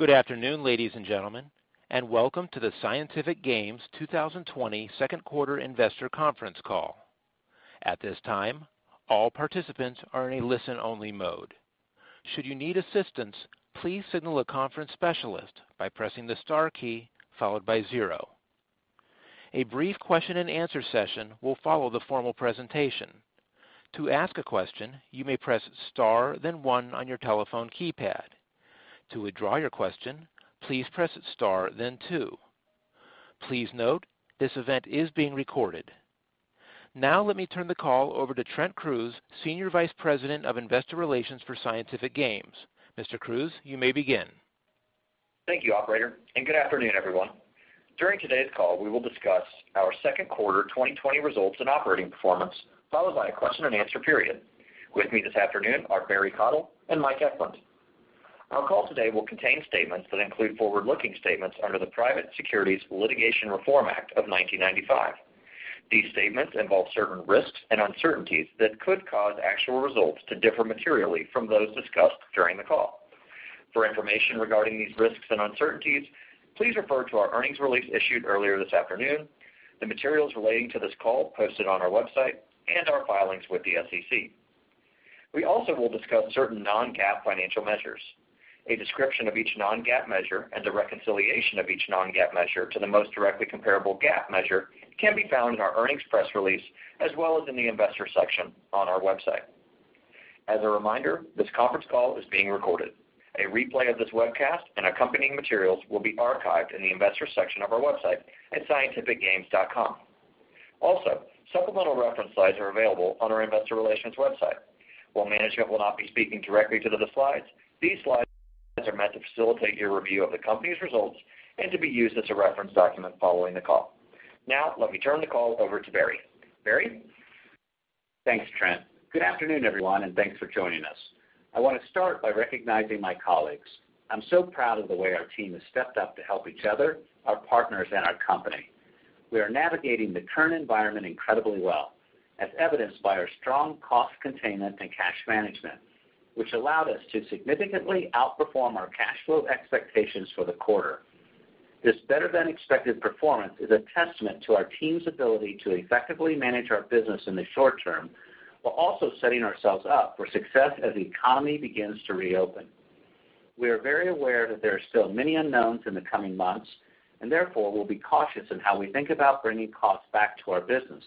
Good afternoon, ladies and gentlemen, and welcome to the Scientific Games 2020 Second Quarter Investor Conference Call. At this time, all participants are in a listen-only mode. Should you need assistance, please signal a conference specialist by pressing the star key followed by zero. A brief question-and-answer session will follow the formal presentation. To ask a question, you may press star, then one on your telephone keypad. To withdraw your question, please press star, then two. Please note, this event is being recorded. Now, let me turn the call over to Trent Kruse, Senior Vice President of Investor Relations for Scientific Games. Mr. Kruse, you may begin. Thank you, operator, and good afternoon, everyone. During today's call, we will discuss our second quarter 2020 results and operating performance, followed by a question-and-answer period. With me this afternoon are Barry Cottle and Mike Eklund. Our call today will contain statements that include forward-looking statements under the Private Securities Litigation Reform Act of 1995. These statements involve certain risks and uncertainties that could cause actual results to differ materially from those discussed during the call. For information regarding these risks and uncertainties, please refer to our earnings release issued earlier this afternoon, the materials relating to this call posted on our website, and our filings with the SEC. We also will discuss certain non-GAAP financial measures. A description of each non-GAAP measure and a reconciliation of each non-GAAP measure to the most directly comparable GAAP measure can be found in our earnings press release, as well as in the investor section on our website. As a reminder, this conference call is being recorded. A replay of this webcast and accompanying materials will be archived in the investors section of our website at scientificgames.com. Also, supplemental reference slides are available on our investor relations website. While management will not be speaking directly to the slides, these slides are meant to facilitate your review of the company's results and to be used as a reference document following the call. Now, let me turn the call over to Barry. Barry? Thanks, Trent. Good afternoon, everyone, and thanks for joining us. I want to start by recognizing my colleagues. I'm so proud of the way our team has stepped up to help each other, our partners, and our company. We are navigating the current environment incredibly well, as evidenced by our strong cost containment and cash management, which allowed us to significantly outperform our cash flow expectations for the quarter. This better-than-expected performance is a testament to our team's ability to effectively manage our business in the short term, while also setting ourselves up for success as the economy begins to reopen. We are very aware that there are still many unknowns in the coming months, and therefore, we'll be cautious in how we think about bringing costs back to our business.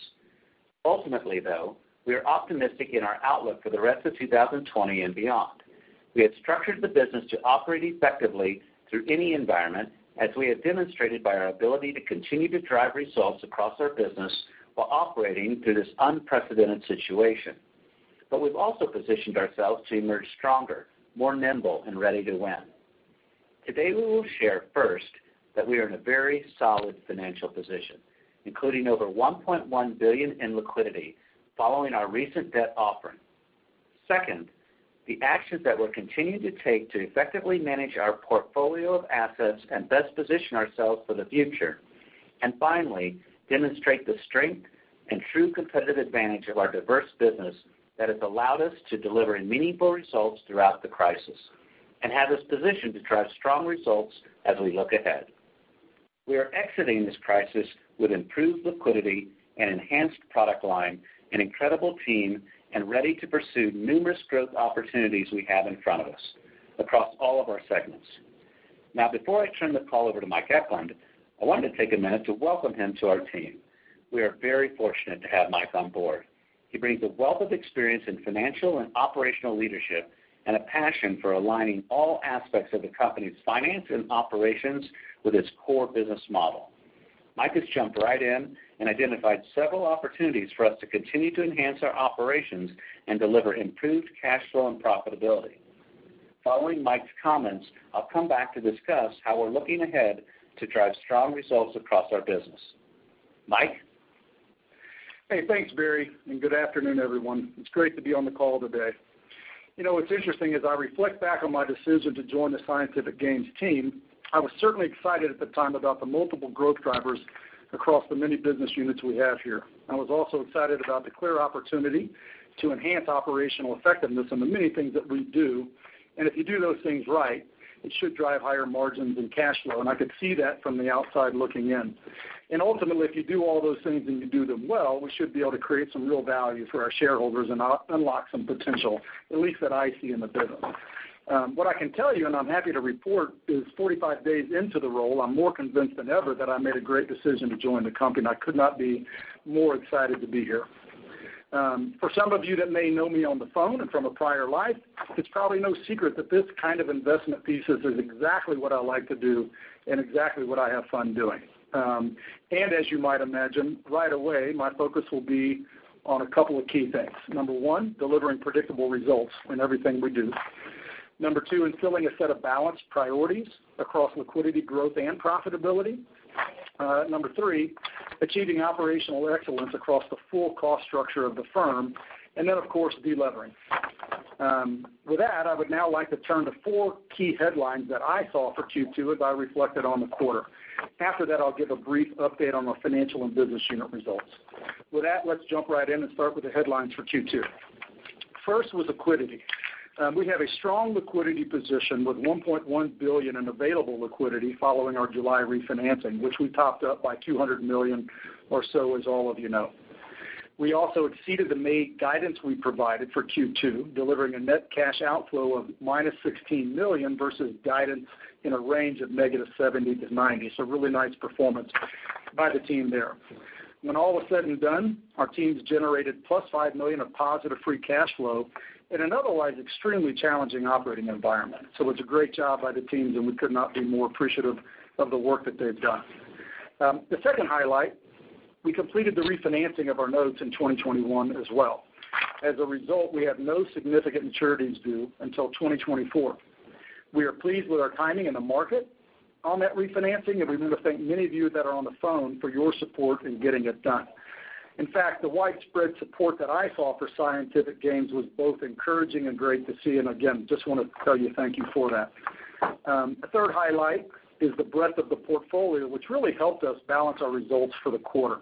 Ultimately, though, we are optimistic in our outlook for the rest of 2020 and beyond. We have structured the business to operate effectively through any environment, as we have demonstrated by our ability to continue to drive results across our business while operating through this unprecedented situation. But we've also positioned ourselves to emerge stronger, more nimble, and ready to win. Today, we will share first that we are in a very solid financial position, including over $1.1 billion in liquidity following our recent debt offering. Second, the actions that we're continuing to take to effectively manage our portfolio of assets and best position ourselves for the future, and finally, demonstrate the strength and true competitive advantage of our diverse business that has allowed us to deliver meaningful results throughout the crisis and have us positioned to drive strong results as we look ahead. We are exiting this crisis with improved liquidity, an enhanced product line, an incredible team, and ready to pursue numerous growth opportunities we have in front of us across all of our segments. Now, before I turn the call over to Mike Eklund, I wanted to take a minute to welcome him to our team. We are very fortunate to have Mike on board. He brings a wealth of experience in financial and operational leadership and a passion for aligning all aspects of the company's finance and operations with its core business model. Mike has jumped right in and identified several opportunities for us to continue to enhance our operations and deliver improved cash flow and profitability. Following Mike's comments, I'll come back to discuss how we're looking ahead to drive strong results across our business. Mike? Hey, thanks, Barry, and good afternoon, everyone. It's great to be on the call today. You know, what's interesting, as I reflect back on my decision to join the Scientific Games team, I was certainly excited at the time about the multiple growth drivers across the many business units we have here. I was also excited about the clear opportunity to enhance operational effectiveness in the many things that we do. And if you do those things right, it should drive higher margins and cash flow, and I could see that from the outside looking in. And ultimately, if you do all those things, and you do them well, we should be able to create some real value for our shareholders and unlock some potential, at least that I see in the business. What I can tell you, and I'm happy to report, is 45 days into the role, I'm more convinced than ever that I made a great decision to join the company, and I could not be more excited to be here. For some of you that may know me on the phone and from a prior life, it's probably no secret that this kind of investment thesis is exactly what I like to do and exactly what I have fun doing. And as you might imagine, right away, my focus will be on a couple of key things. Number one, delivering predictable results in everything we do. Number two, instilling a set of balanced priorities across liquidity, growth, and profitability. Number three, achieving operational excellence across the full cost structure of the firm, and then, of course, delevering. With that, I would now like to turn to four key headlines that I saw for Q2 as I reflected on the quarter. After that, I'll give a brief update on the financial and business unit results. With that, let's jump right in and start with the headlines for Q2. First was liquidity. We have a strong liquidity position with $1.1 billion in available liquidity following our July refinancing, which we topped up by $200 million or so, as all of you know. We also exceeded the May guidance we provided for Q2, delivering a net cash outflow of -$16 million versus guidance in a range of -$70 million to -$90 million. So really nice performance by the team there. When all was said and done, our teams generated +$5 million of positive free cash flow in an otherwise extremely challenging operating environment. So it's a great job by the teams, and we could not be more appreciative of the work that they've done. The second highlight, we completed the refinancing of our notes in 2021 as well. As a result, we have no significant maturities due until 2024. We are pleased with our timing in the market on that refinancing, and we want to thank many of you that are on the phone for your support in getting it done. In fact, the widespread support that I saw for Scientific Games was both encouraging and great to see, and again, just want to tell you thank you for that. The third highlight is the breadth of the portfolio, which really helped us balance our results for the quarter.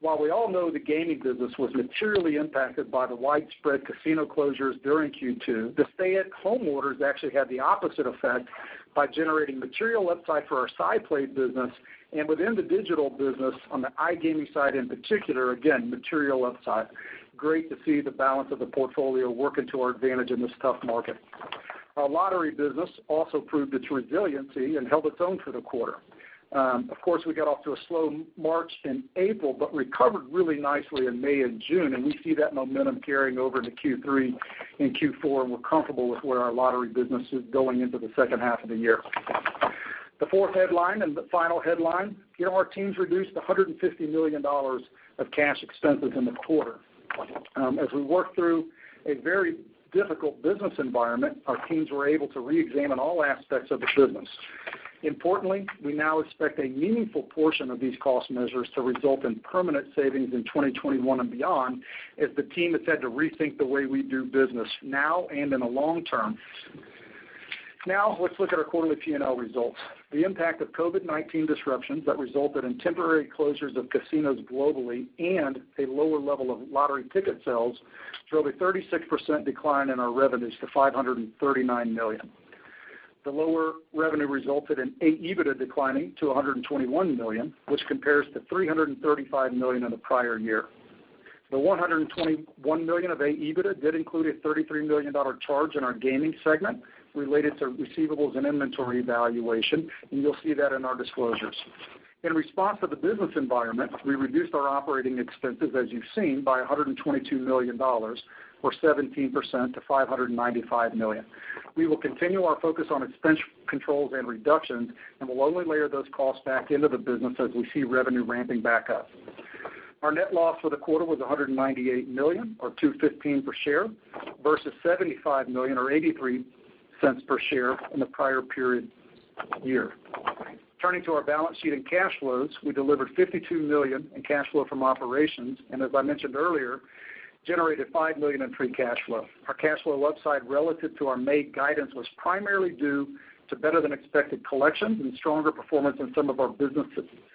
While we all know the gaming business was materially impacted by the widespread casino closures during Q2, the stay-at-home orders actually had the opposite effect by generating material upside for our SciPlay business, and within the digital business, on the iGaming side in particular, again, material upside. Great to see the balance of the portfolio working to our advantage in this tough market. Our lottery business also proved its resiliency and held its own for the quarter. Of course, we got off to a slow March and April, but recovered really nicely in May and June, and we see that momentum carrying over into Q3 and Q4, and we're comfortable with where our lottery business is going into the second half of the year. The fourth headline and the final headline, here our teams reduced $150 million of cash expenses in the quarter. As we worked through a very difficult business environment, our teams were able to reexamine all aspects of the business. Importantly, we now expect a meaningful portion of these cost measures to result in permanent savings in 2021 and beyond, as the team has had to rethink the way we do business now and in the long term. Now, let's look at our quarterly P&L results. The impact of COVID-19 disruptions that resulted in temporary closures of casinos globally and a lower level of lottery ticket sales drove a 36% decline in our revenues to $539 million. The lower revenue resulted in AEBITDA declining to $121 million, which compares to $335 million in the prior year. The $121 million of AEBITDA did include a $33 million charge in our gaming segment related to receivables and inventory valuation, and you'll see that in our disclosures. In response to the business environment, we reduced our operating expenses, as you've seen, by $122 million or 17% to $595 million. We will continue our focus on expense controls and reductions, and we'll only layer those costs back into the business as we see revenue ramping back up. Our net loss for the quarter was $198 million or $2.15 per share, versus $75 million or $0.83 per share in the prior period year. Turning to our balance sheet and cash flows, we delivered $52 million in cash flow from operations, and as I mentioned earlier, generated $5 million in free cash flow. Our cash flow upside relative to our May guidance was primarily due to better-than-expected collections and stronger performance in some of our business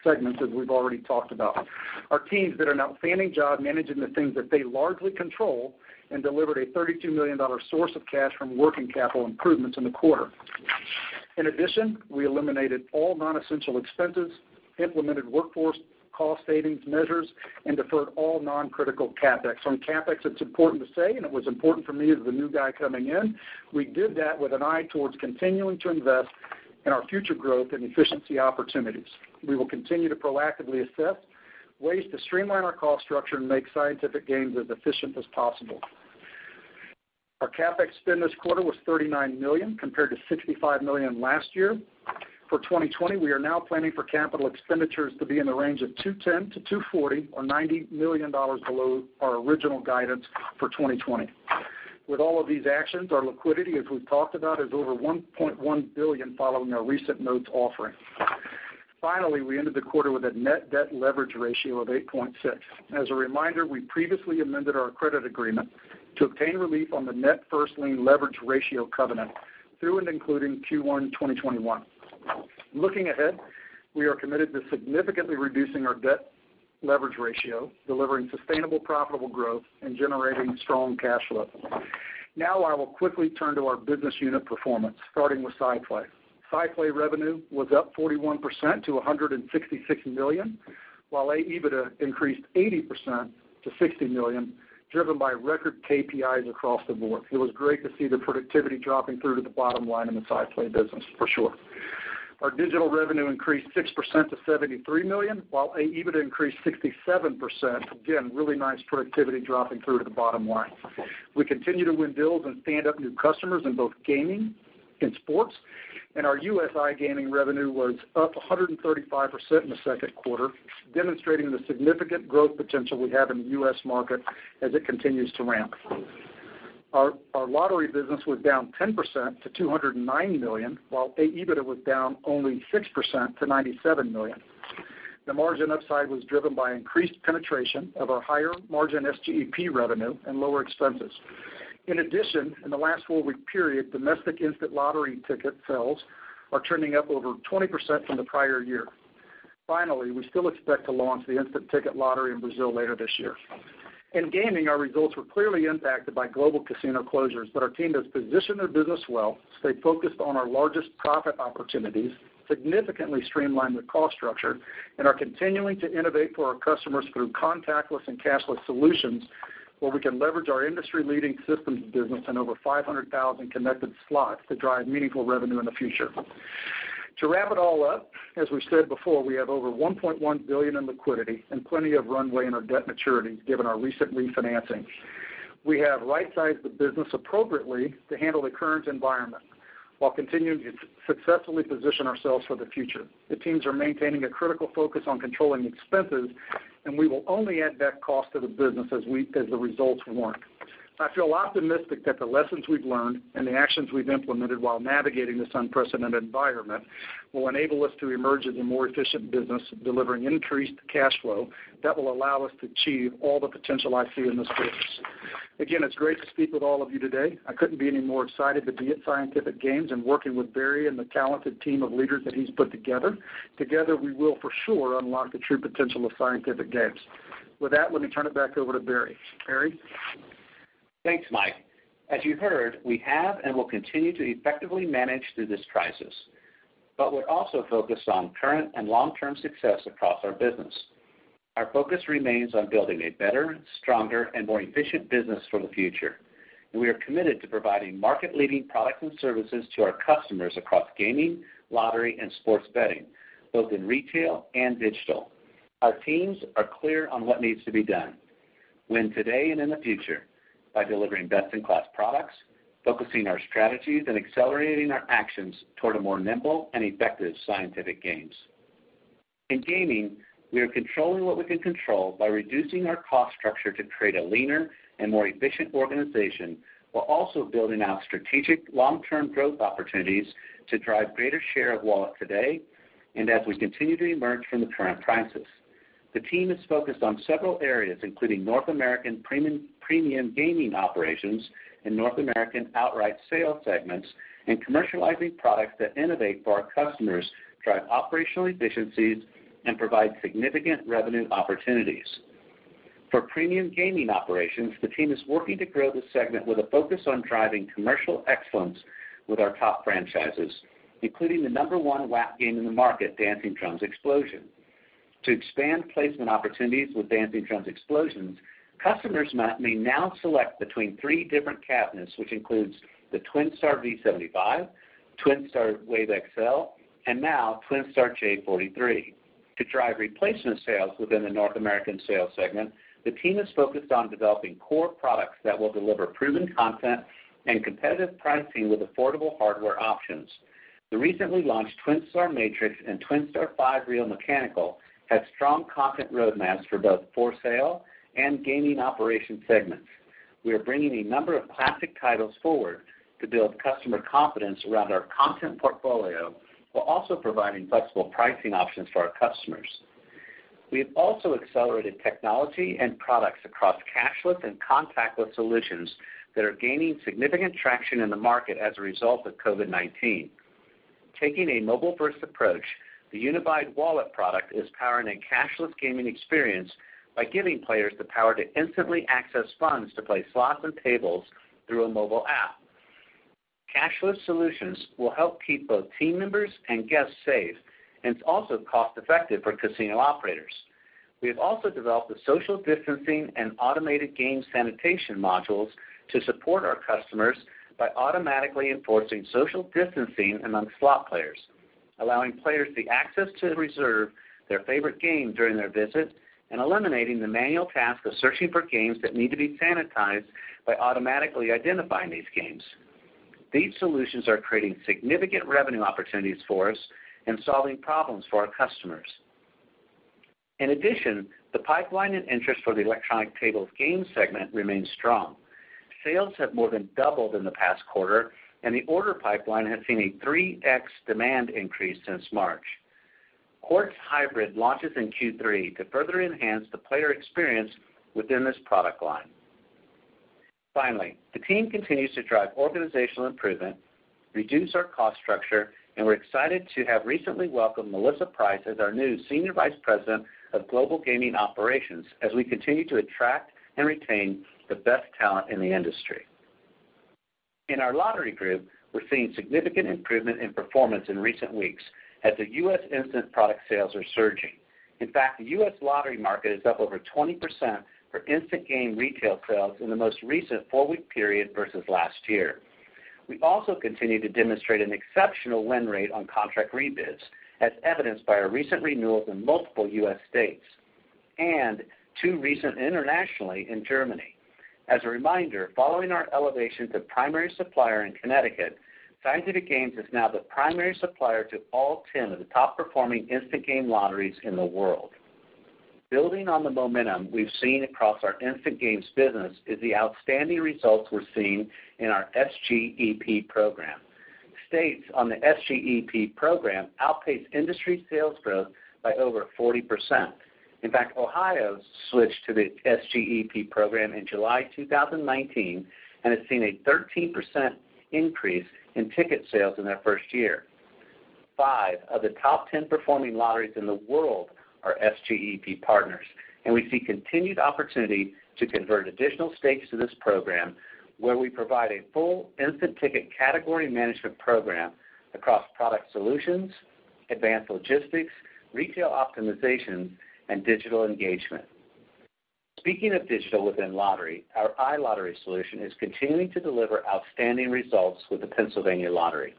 segments, as we've already talked about. Our teams did an outstanding job managing the things that they largely control and delivered a $32 million source of cash from working capital improvements in the quarter. In addition, we eliminated all non-essential expenses, implemented workforce cost savings measures, and deferred all non-critical CapEx. On CapEx, it's important to say, and it was important for me as the new guy coming in, we did that with an eye towards continuing to invest in our future growth and efficiency opportunities. We will continue to proactively assess ways to streamline our cost structure and make Scientific Games as efficient as possible. Our CapEx spend this quarter was $39 million, compared to $65 million last year. For 2020, we are now planning for capital expenditures to be in the range of $210 million-$240 million or $90 million below our original guidance for 2020. With all of these actions, our liquidity, as we've talked about, is over $1.1 billion following our recent notes offering. Finally, we ended the quarter with a net debt leverage ratio of 8.6. As a reminder, we previously amended our credit agreement to obtain relief on the net first lien leverage ratio covenant through and including Q1 2021. Looking ahead, we are committed to significantly reducing our debt leverage ratio, delivering sustainable, profitable growth, and generating strong cash flow. Now, I will quickly turn to our business unit performance, starting with SciPlay. SciPlay revenue was up 41% to $166 million, while AEBITDA increased 80% to $60 million, driven by record KPIs across the board. It was great to see the productivity dropping through to the bottom line in the SciPlay business, for sure. Our digital revenue increased 6% to $73 million, while AEBITDA increased 67%. Again, really nice productivity dropping through to the bottom line. We continue to win deals and stand up new customers in both gaming and sports, and our U.S. iGaming revenue was up 135% in the second quarter, demonstrating the significant growth potential we have in the U.S. market as it continues to ramp. Our lottery business was down 10% to $209 million, while AEBITDA was down only 6% to $97 million. The margin upside was driven by increased penetration of our higher-margin SGEP revenue and lower expenses. In addition, in the last four-week period, domestic instant lottery ticket sales are turning up over 20% from the prior year. Finally, we still expect to launch the instant ticket lottery in Brazil later this year. In gaming, our results were clearly impacted by global casino closures, but our team has positioned their business well, stayed focused on our largest profit opportunities, significantly streamlined the cost structure, and are continuing to innovate for our customers through contactless and cashless solutions, where we can leverage our industry-leading systems business and over 500,000 connected slots to drive meaningful revenue in the future. To wrap it all up, as we've said before, we have over $1.1 billion in liquidity and plenty of runway in our debt maturities, given our recent refinancing. We have right-sized the business appropriately to handle the current environment, while continuing to successfully position ourselves for the future. The teams are maintaining a critical focus on controlling expenses, and we will only add that cost to the business as the results warrant. I feel optimistic that the lessons we've learned and the actions we've implemented while navigating this unprecedented environment will enable us to emerge as a more efficient business, delivering increased cash flow that will allow us to achieve all the potential I see in this business. Again, it's great to speak with all of you today. I couldn't be any more excited to be at Scientific Games and working with Barry and the talented team of leaders that he's put together. Together, we will for sure unlock the true potential of Scientific Games. With that, let me turn it back over to Barry. Barry? Thanks, Mike. As you heard, we have and will continue to effectively manage through this crisis, but we're also focused on current and long-term success across our business. Our focus remains on building a better, stronger, and more efficient business for the future, and we are committed to providing market-leading products and services to our customers across gaming, lottery, and sports betting, both in retail and digital. Our teams are clear on what needs to be done: win today and in the future by delivering best-in-class products, focusing our strategies, and accelerating our actions toward a more nimble and effective Scientific Games. In gaming, we are controlling what we can control by reducing our cost structure to create a leaner and more efficient organization, while also building out strategic long-term growth opportunities to drive greater share of wallet today and as we continue to emerge from the current crisis. The team is focused on several areas, including North American premium, premium gaming operations and North American outright sales segments, and commercializing products that innovate for our customers, drive operational efficiencies, and provide significant revenue opportunities. For premium gaming operations, the team is working to grow the segment with a focus on driving commercial excellence with our top franchises, including the number one WAP game in the market, Dancing Drums Explosion. To expand placement opportunities with Dancing Drums Explosion, customers may now select between three different cabinets, which includes the TwinStar V75, TwinStar Wave XL, and now TwinStar J43. To drive replacement sales within the North American sales segment, the team is focused on developing core products that will deliver proven content and competitive pricing with affordable hardware options. The recently launched TwinStar Matrix and TwinStar 5-Reel Mechanical have strong content roadmaps for both for-sale and gaming operation segments. We are bringing a number of classic titles forward to build customer confidence around our content portfolio, while also providing flexible pricing options for our customers. We have also accelerated technology and products across cashless and contactless solutions that are gaining significant traction in the market as a result of COVID-19. Taking a mobile-first approach, the Unified Wallet product is powering a cashless gaming experience by giving players the power to instantly access funds to play slots and tables through a mobile app. Cashless solutions will help keep both team members and guests safe, and it's also cost-effective for casino operators. We have also developed the social distancing and automated game sanitation modules to support our customers by automatically enforcing social distancing among slot players, allowing players the access to reserve their favorite game during their visit, and eliminating the manual task of searching for games that need to be sanitized by automatically identifying these games. These solutions are creating significant revenue opportunities for us and solving problems for our customers. In addition, the pipeline and interest for the electronic table games segment remains strong. Sales have more than doubled in the past quarter, and the order pipeline has seen a 3x demand increase since March. Quartz Hybrid launches in Q3 to further enhance the player experience within this product line. Finally, the team continues to drive organizational improvement, reduce our cost structure, and we're excited to have recently welcomed Melissa Price as our new Senior Vice President of Global Gaming Operations, as we continue to attract and retain the best talent in the industry. In our lottery group, we're seeing significant improvement in performance in recent weeks as the U.S. instant product sales are surging. In fact, the U.S. lottery market is up over 20% for instant game retail sales in the most recent four-week period versus last year. We also continue to demonstrate an exceptional win rate on contract rebids, as evidenced by our recent renewals in multiple U.S. states and two recent internationally in Germany. As a reminder, following our elevation to primary supplier in Connecticut, Scientific Games is now the primary supplier to all 10 of the top-performing instant game lotteries in the world. Building on the momentum we've seen across our instant games business is the outstanding results we're seeing in our SGEP program. States on the SGEP program outpaced industry sales growth by over 40%. In fact, Ohio switched to the SGEP program in July 2019 and has seen a 13% increase in ticket sales in their first year. Five of the top ten performing lotteries in the world are SGEP partners, and we see continued opportunity to convert additional states to this program, where we provide a full instant ticket category management program across product solutions, advanced logistics, retail optimization, and digital engagement. Speaking of digital within lottery, our iLottery solution is continuing to deliver outstanding results with the Pennsylvania Lottery.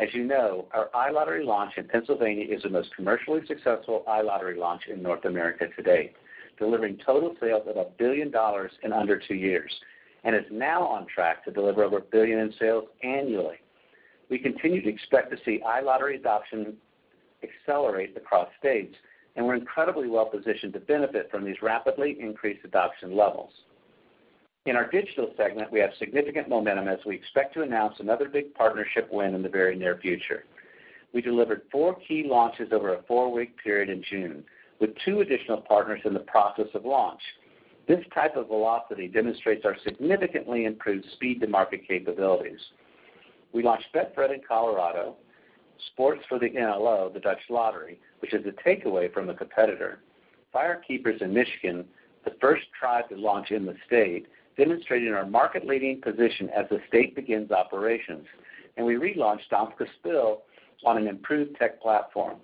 As you know, our iLottery launch in Pennsylvania is the most commercially successful iLottery launch in North America to date, delivering total sales of $1 billion in under two years, and is now on track to deliver over $1 billion in sales annually. We continue to expect to see iLottery adoption accelerate across states, and we're incredibly well-positioned to benefit from these rapidly increased adoption levels. In our digital segment, we have significant momentum as we expect to announce another big partnership win in the very near future. We delivered four key launches over a four-week period in June, with two additional partners in the process of launch. This type of velocity demonstrates our significantly improved speed to market capabilities. We launched Betfred in Colorado, sports for the NLO, the Dutch Lottery, which is a takeaway from a competitor. FireKeepers in Michigan, the first tribe to launch in the state, demonstrating our market-leading position as the state begins operations, and we relaunched Danske Spil on an improved tech platform.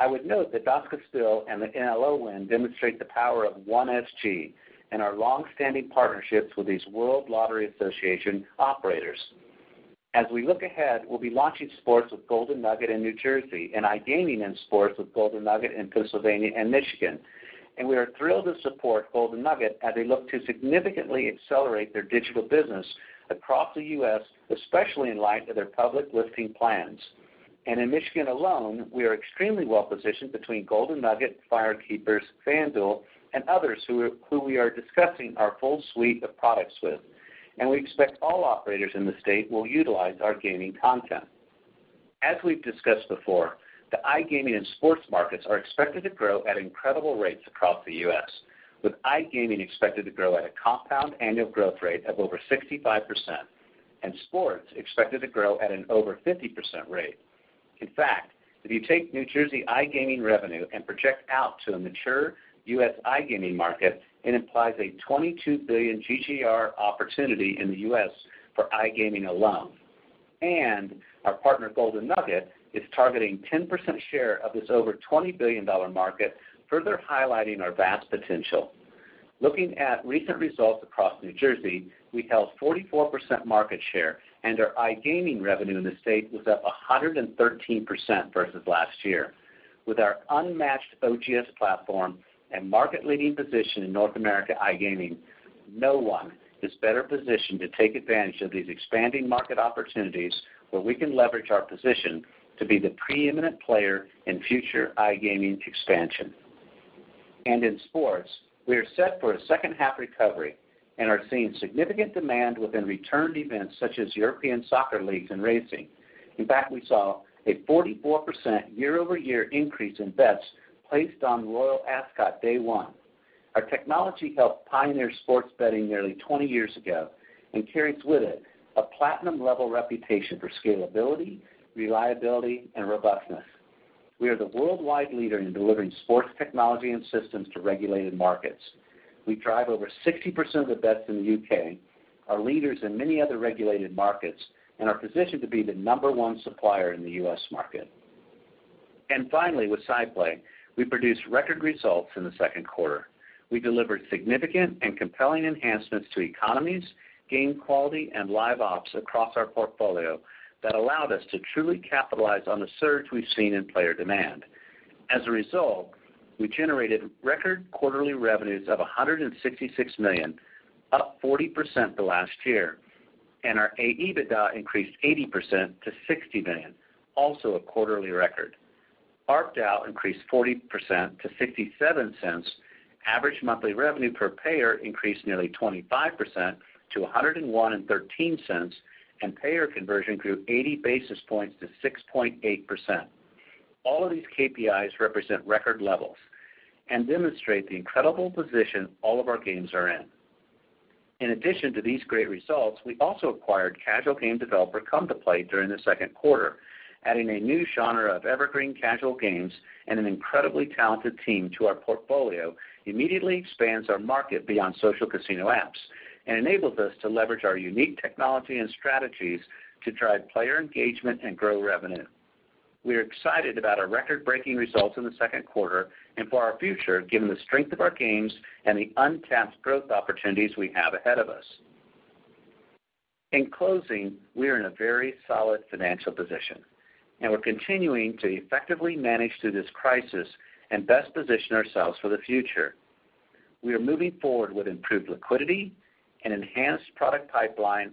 I would note that Danske Spil and the NLO win demonstrate the power of OneSG and our long-standing partnerships with these World Lottery Association operators. As we look ahead, we'll be launching sports with Golden Nugget in New Jersey and iGaming and sports with Golden Nugget in Pennsylvania and Michigan, and we are thrilled to support Golden Nugget as they look to significantly accelerate their digital business across the U.S., especially in light of their public listing plans, and in Michigan alone, we are extremely well-positioned between Golden Nugget, FireKeepers, FanDuel, and others who we are discussing our full suite of products with, and we expect all operators in the state will utilize our gaming content. As we've discussed before, the iGaming and sports markets are expected to grow at incredible rates across the U.S., with iGaming expected to grow at a compound annual growth rate of over 65%, and sports expected to grow at an over 50% rate. In fact, if you take New Jersey iGaming revenue and project out to a mature U.S. iGaming market, it implies a $22 billion GGR opportunity in the U.S. for iGaming alone. And our partner, Golden Nugget, is targeting 10% share of this over $20 billion market, further highlighting our vast potential. Looking at recent results across New Jersey, we held 44% market share, and our iGaming revenue in the state was up 113% versus last year. With our unmatched OGS platform and market-leading position in North America iGaming, no one is better positioned to take advantage of these expanding market opportunities, where we can leverage our position to be the preeminent player in future iGaming expansion. In sports, we are set for a second-half recovery and are seeing significant demand within returned events such as European soccer leagues and racing. In fact, we saw a 44% year-over-year increase in bets placed on Royal Ascot day one. Our technology helped pioneer sports betting nearly 20 years ago and carries with it a platinum-level reputation for scalability, reliability, and robustness. We are the worldwide leader in delivering sports technology and systems to regulated markets. We drive over 60% of the bets in the U.K., are leaders in many other regulated markets, and are positioned to be the number-one supplier in the U.S. market. Finally, with SciPlay, we produced record results in the second quarter. We delivered significant and compelling enhancements to economies, game quality, and live ops across our portfolio that allowed us to truly capitalize on the surge we've seen in player demand. As a result, we generated record quarterly revenues of $166 million, up 40% to last year, and our AEBITDA increased 80% to $60 million, also a quarterly record. ARPDAU increased 40% to $0.67. Average monthly revenue per payer increased nearly 25% to $1.0113, and payer conversion grew 80 basis points to 6.8%. All of these KPIs represent record levels and demonstrate the incredible position all of our games are in. In addition to these great results, we also acquired casual game developer Come2Play during the second quarter, adding a new genre of evergreen casual games and an incredibly talented team to our portfolio. It immediately expands our market beyond social casino apps and enables us to leverage our unique technology and strategies to drive player engagement and grow revenue. We are excited about our record-breaking results in the second quarter and for our future, given the strength of our games and the untapped growth opportunities we have ahead of us. In closing, we are in a very solid financial position, and we're continuing to effectively manage through this crisis and best position ourselves for the future. We are moving forward with improved liquidity, an enhanced product pipeline,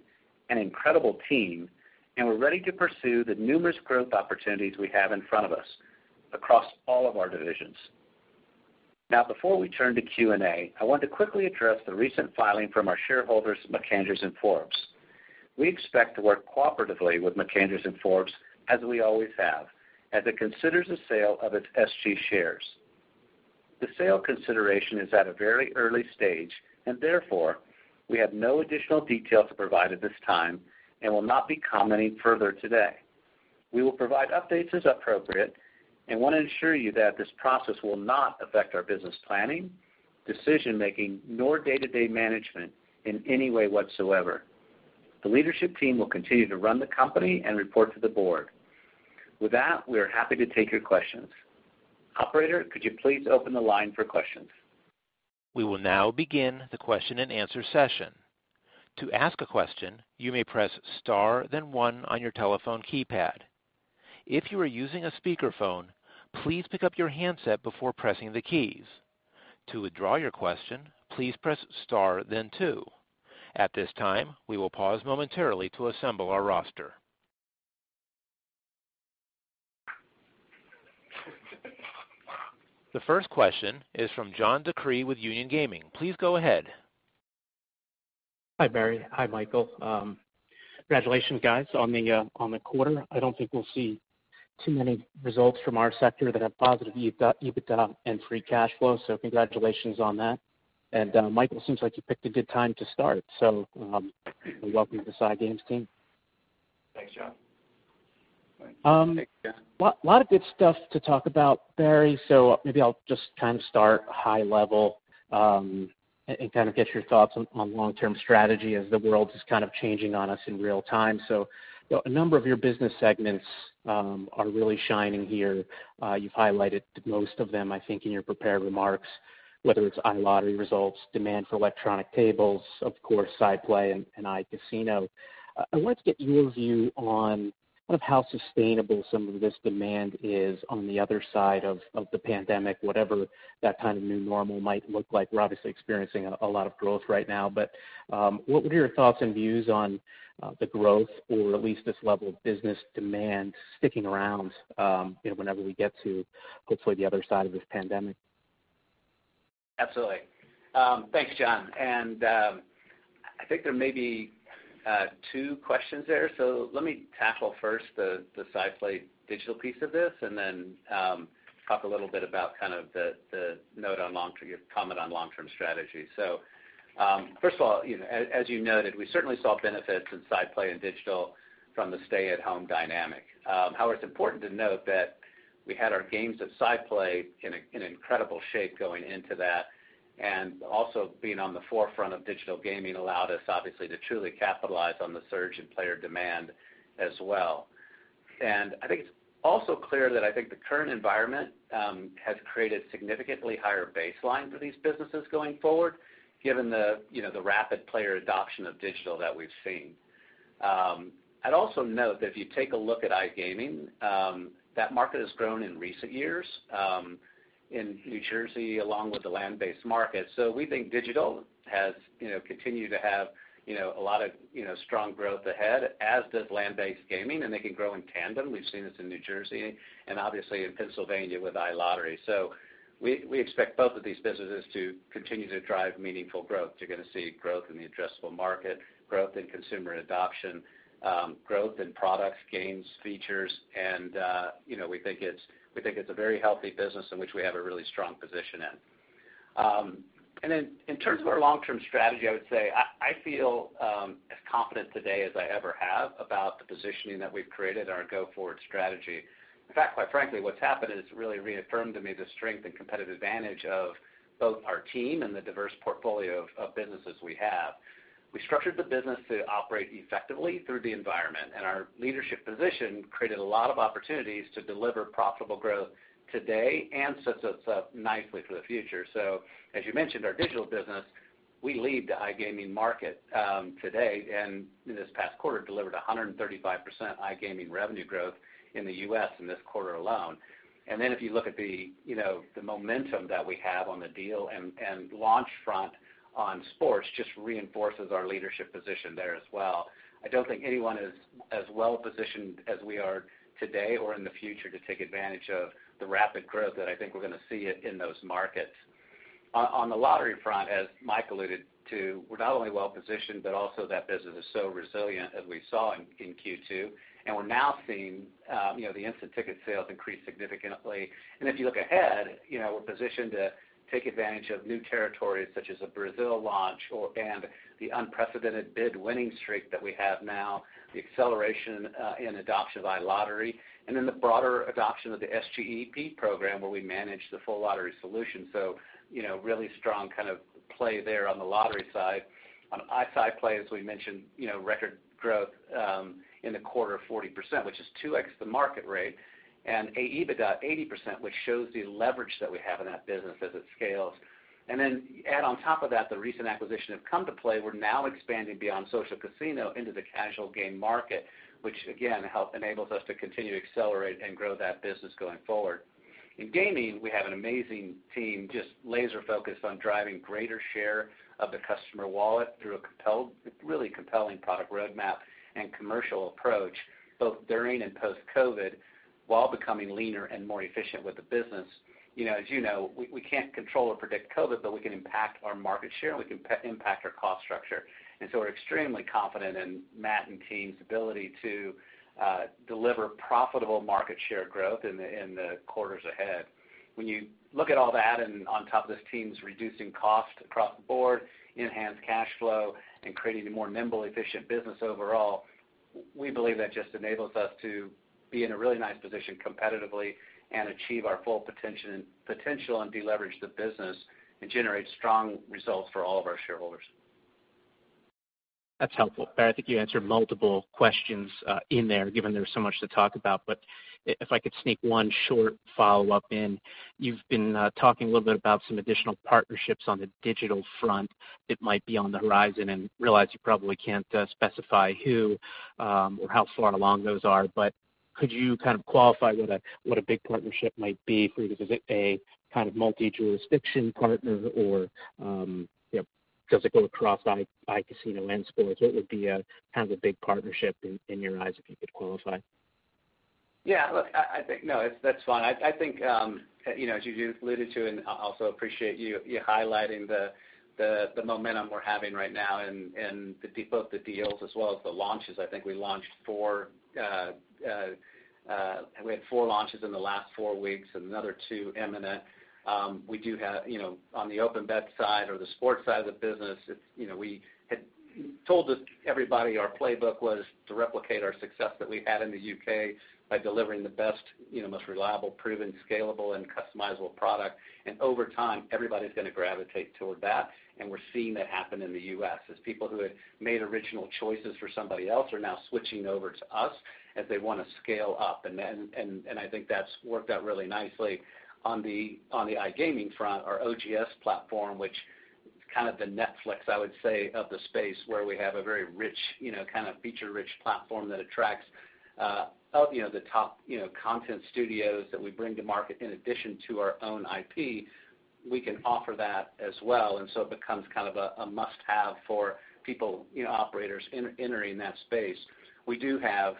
an incredible team, and we're ready to pursue the numerous growth opportunities we have in front of us across all of our divisions. Now, before we turn to Q&A, I want to quickly address the recent filing from our shareholders, MacAndrews & Forbes. We expect to work cooperatively with MacAndrews & Forbes, as we always have, as it considers the sale of its SG shares.... The sale consideration is at a very early stage, and therefore, we have no additional detail to provide at this time and will not be commenting further today. We will provide updates as appropriate, and want to assure you that this process will not affect our business planning, decision-making, nor day-to-day management in any way whatsoever. The leadership team will continue to run the company and report to the board. With that, we are happy to take your questions. Operator, could you please open the line for questions? We will now begin the question-and-answer session. To ask a question, you may press star then one on your telephone keypad. If you are using a speakerphone, please pick up your handset before pressing the keys. To withdraw your question, please press star then two. At this time, we will pause momentarily to assemble our roster. The first question is from John DeCree with Union Gaming. Please go ahead. Hi, Barry. Hi, Michael. Congratulations, guys, on the quarter. I don't think we'll see too many results from our sector that have positive EBITDA and free cash flow, so congratulations on that, and Michael, it seems like you picked a good time to start, so we welcome you Scientific Games team. Thanks, John. Thanks, John. Lot of good stuff to talk about, Barry, so maybe I'll just kind of start high level, and kind of get your thoughts on long-term strategy as the world is kind of changing on us in real time. So a number of your business segments are really shining here. You've highlighted most of them, I think, in your prepared remarks, whether it's iLottery results, demand for electronic tables, of course, SciPlay and iCasino. I wanted to get your view on kind of how sustainable some of this demand is on the other side of the pandemic, whatever that kind of new normal might look like. We're obviously experiencing a lot of growth right now, but, what would be your thoughts and views on, the growth or at least this level of business demand sticking around, you know, whenever we get to, hopefully, the other side of this pandemic? Absolutely. Thanks, John, and I think there may be two questions there. So let me tackle first the SciPlay digital piece of this, and then talk a little bit about kind of the note on long-term your comment on long-term strategy. So first of all, you know, as you noted, we certainly saw benefits in SciPlay and digital from the stay-at-home dynamic. However, it's important to note that we had our games at SciPlay in incredible shape going into that, and also being on the forefront of digital gaming allowed us, obviously, to truly capitalize on the surge in player demand as well. I think it's also clear that I think the current environment has created significantly higher baseline for these businesses going forward, given the, you know, the rapid player adoption of digital that we've seen. I'd also note that if you take a look at iGaming, that market has grown in recent years, in New Jersey, along with the land-based market. So we think digital has, you know, continued to have, you know, a lot of, you know, strong growth ahead, as does land-based gaming, and they can grow in tandem. We've seen this in New Jersey and obviously in Pennsylvania with iLottery. So we expect both of these businesses to continue to drive meaningful growth. You're going to see growth in the addressable market, growth in consumer adoption, growth in products, games, features, and, you know, we think it's a very healthy business in which we have a really strong position in. And then in terms of our long-term strategy, I would say I feel as confident today as I ever have about the positioning that we've created in our go-forward strategy. In fact, quite frankly, what's happened is it's really reaffirmed to me the strength and competitive advantage of both our team and the diverse portfolio of businesses we have. We structured the business to operate effectively through the environment, and our leadership position created a lot of opportunities to deliver profitable growth today and sets us up nicely for the future. So as you mentioned, our digital business, we lead the iGaming market today, and in this past quarter, delivered 135% iGaming revenue growth in the U.S. in this quarter alone. And then if you look at the, you know, the momentum that we have on the deal and launch front on sports just reinforces our leadership position there as well. I don't think anyone is as well positioned as we are today or in the future to take advantage of the rapid growth that I think we're going to see in those markets. On the lottery front, as Mike alluded to, we're not only well positioned, but also that business is so resilient, as we saw in Q2, and we're now seeing, you know, the instant ticket sales increase significantly. And if you look ahead, you know, we're positioned to take advantage of new territories, such as a Brazil launch or, and the unprecedented bid winning streak that we have now, the acceleration, in adoption of iLottery, and then the broader adoption of the SGEP program, where we manage the full lottery solution. So, you know, really strong kind of play there on the lottery side. On SciPlay, as we mentioned, you know, record growth, in the quarter of 40%, which is 2X the market rate, and an EBITDA 80%, which shows the leverage that we have in that business as it scales. And then add on top of that, the recent acquisition of Come2Play, we're now expanding beyond social casino into the casual game market, which again, enables us to continue to accelerate and grow that business going forward. In gaming, we have an amazing team, just laser focused on driving greater share of the customer wallet through a really compelling product roadmap and commercial approach, both during and post-COVID, while becoming leaner and more efficient with the business. You know, as you know, we can't control or predict COVID, but we can impact our market share, and we can impact our cost structure. And so we're extremely confident in Matt and team's ability to deliver profitable market share growth in the quarters ahead.... When you look at all that, and on top of this, teams reducing costs across the board, enhanced cash flow, and creating a more nimble, efficient business overall, we believe that just enables us to be in a really nice position competitively and achieve our full potential and deleverage the business and generate strong results for all of our shareholders. That's helpful. Barry, I think you answered multiple questions in there, given there's so much to talk about. But if I could sneak one short follow-up in, you've been talking a little bit about some additional partnerships on the digital front that might be on the horizon, and realize you probably can't specify who or how far along those are, but could you kind of qualify what a big partnership might be for you? Is it a kind of multi-jurisdiction partner or, you know, does it go across iCasino and sports? What would be a kind of big partnership in your eyes, if you could qualify? Yeah, look, I think that's fine. I think, you know, as you just alluded to, and I also appreciate you highlighting the momentum we're having right now in both the deals as well as the launches. I think we had four launches in the last four weeks and another two imminent. We do have, you know, on the OpenBet side or the sports side of the business, it's, you know, we had told everybody our playbook was to replicate our success that we had in the UK by delivering the best, you know, most reliable, proven, scalable, and customizable product, and over time, everybody's gonna gravitate toward that, and we're seeing that happen in the US, as people who had made original choices for somebody else are now switching over to us as they want to scale up. And then I think that's worked out really nicely. On the iGaming front, our OGS platform, which is kind of the Netflix, I would say, of the space, where we have a very rich, you know, kind of feature-rich platform that attracts, you know, the top, you know, content studios that we bring to market in addition to our own IP, we can offer that as well, and so it becomes kind of a must-have for people, you know, operators entering that space. We do have,